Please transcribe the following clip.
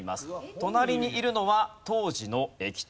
隣にいるのは当時の駅長です。